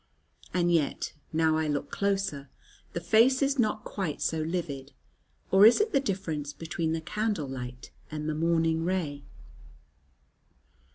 And yet, now I look closer, the face is not quite so livid; or is it the difference between the candle light and the morning ray?